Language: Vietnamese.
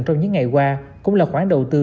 trong những ngày qua cũng là khoản đầu tư